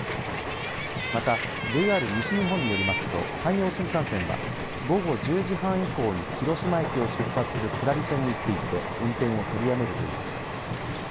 また、ＪＲ西日本によりますと山陽新幹線は午後１０時半以降に広島駅を出発する下り線について運転を取りやめるということです。